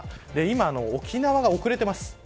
今、沖縄が遅れています。